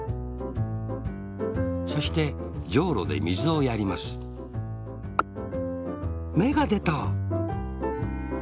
そしてじょうろでみずをやりますめがでた。